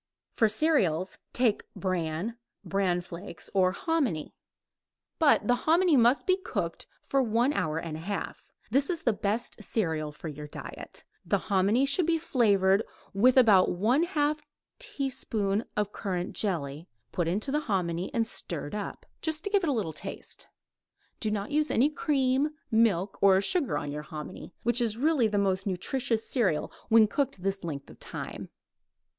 For cereals: take bran, bran flakes or hominy but the hominy must be cooked for one hour and a half. That is the best cereal for your diet. The hominy should be flavored with about one half teaspoonful of currant jelly, put into the hominy and stirred up, just to give it a little taste. Do not use any cream, milk or sugar on your hominy, which is really the most nutritious cereal when cooked this length of time.